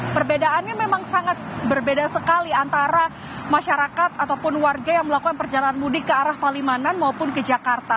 perbedaannya memang sangat berbeda sekali antara masyarakat ataupun warga yang melakukan perjalanan mudik ke arah palimanan maupun ke jakarta